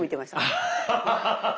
アハハハハハ！